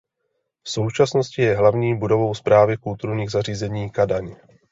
V současnosti je hlavní budovou správy Kulturních zařízení Kadaň.